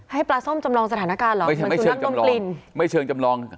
ให้ปลาส้มจำลองสถานการณ์เหรอไม่เชิงจำลองไม่เชิงจำลอง